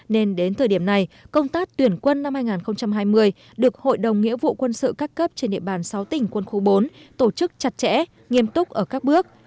nên đến thời điểm này công tác tuyển quân năm hai nghìn hai mươi được hội đồng nghĩa vụ quân sự các cấp trên địa bàn sáu tỉnh quân khu bốn tổ chức chặt chẽ nghiêm túc ở các bước